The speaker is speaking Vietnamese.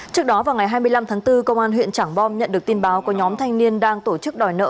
trước đó vào ngày hai mươi năm tháng bốn công an huyện trảng bom nhận được tin báo có nhóm thanh niên đang tổ chức đòi nợ